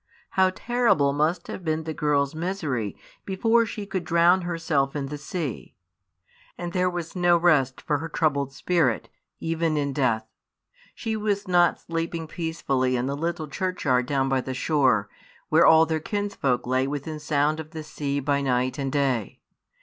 How terrible must have been the girl's misery before she could drown herself in the sea! And there was no rest for her troubled spirit, even in death! She was not sleeping peacefully in the little churchyard down by the shore, where all their kinsfolk lay within sound of the sea by night and day.